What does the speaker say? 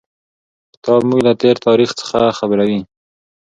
کتاب موږ له تېر تاریخ څخه خبروي.